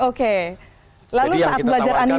lalu saat belajar animasinya apa yang paling bikin mereka excited